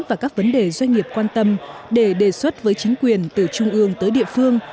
và các vấn đề doanh nghiệp quan tâm để đề xuất với chính quyền từ trung ương tới địa phương